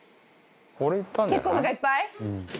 結構おなかいっぱい？